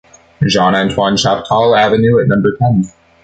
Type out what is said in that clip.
Jean-Antoine Chaptal avenue at number ten